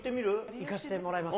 いかせてもらいます。